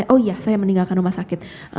oh iya saya meninggalkan rumah sakit